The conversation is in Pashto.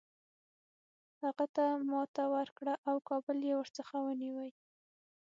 هغه ته ماته ورکړه او کابل یې ورڅخه ونیوی.